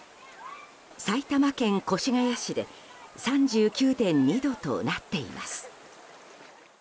埼玉県越谷市で３９．２度となっています。